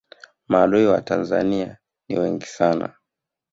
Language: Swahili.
maadui wa tanzania ni wengi sana